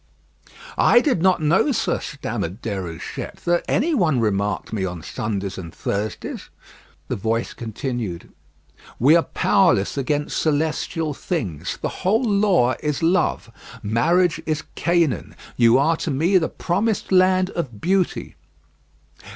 "I did not know, sir," stammered Déruchette, "that any one remarked me on Sundays and Thursdays." The voice continued: "We are powerless against celestial things. The whole Law is love. Marriage is Canaan; you are to me the promised land of beauty."